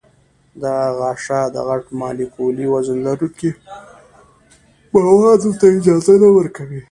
دا غشا د غټ مالیکولي وزن لرونکو موادو ته اجازه نه ورکوي.